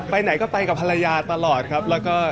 ไปไหนก็ไปกับภรรยาตลอดครับ